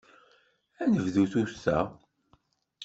Ad nebdu tuta?